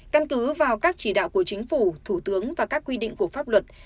căn cứ vào các chỉ đạo của chính phủ thủ tướng và các quy định của pháp luật